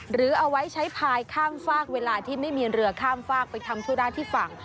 หรือเอาไว้ใช้พายข้ามฝากเวลาที่ไม่มีเรือข้ามฝากไปทำธุระที่ฝั่ง